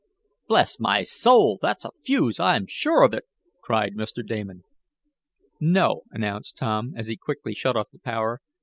"Bless my soul! That's a fuse, I'm sure of it!" cried Mr. Damon. "No," announced Tom, as he quickly shut off the power.